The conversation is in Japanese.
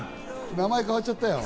名前、変わっちゃったよ。